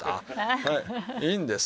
いいんです。